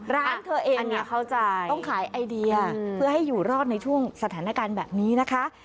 ร้านเธอเองต้องขายไอเดียเพื่อให้อยู่รอดในช่วงสถานการณ์แบบนี้นะคะ